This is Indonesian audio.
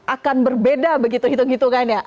akan berbeda begitu hitung hitungannya